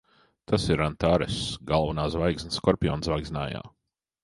Tas ir Antaress. Galvenā zvaigzne Skorpiona zvaigznājā.